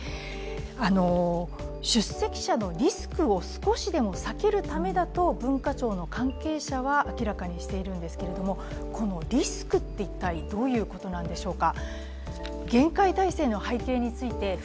出席者のリスクを少しでも避けるためだと文化庁の関係者は明らかにしているんですけれどもこのリスクって一体どういうことなんでしょうか。